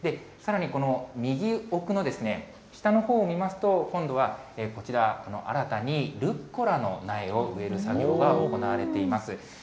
さらに、この右奥の下のほうを見ますと、今度はこちら、新たにルッコラの苗を植える作業が行われています。